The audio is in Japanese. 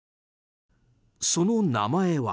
その名前は？